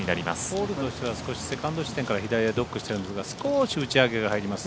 ホールとしては少しセカンド地点からドックしてるんですが少し打ち上げが入ります。